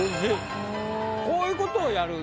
こういうことをやる。